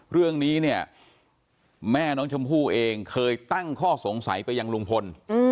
เรื่องนี้เนี่ยแม่น้องชมพู่เองเคยตั้งข้อสงสัยไปยังลุงพล